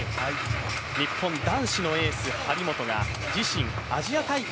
日本、男子のエース、張本が自身アジア大会